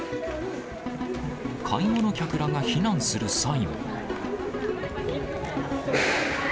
買い物客らが避難する際も。